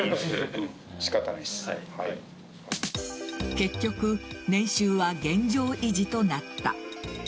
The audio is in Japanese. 結局、年収は現状維持となった。